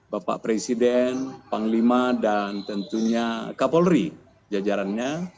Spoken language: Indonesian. bapak presiden panglima dan tentunya kapolri jajarannya